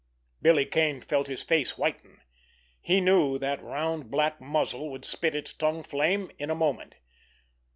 Billy Kane felt his face whiten. He knew that round, black muzzle would spit its tongue flame in a moment.